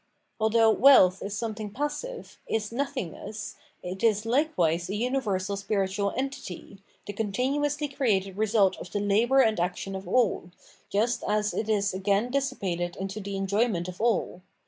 Although wealth is something passive, is nottungness, it is likewise a universal spiritual entity, the continu ously created result of the labo'or and action of aU, just as it is again dissipated into the enjoyment of all.